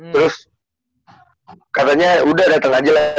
terus katanya udah datang aja lah